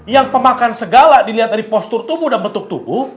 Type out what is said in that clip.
yang pemakan segala dilihat dari postur tubuh dan bentuk tubuh